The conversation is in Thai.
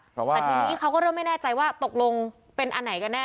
เพราะว่าแต่ทีนี้เขาก็เริ่มไม่แน่ใจว่าตกลงเป็นอันไหนกันแน่